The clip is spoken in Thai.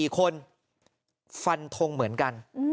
๔คนฟันทงเหมือนกัน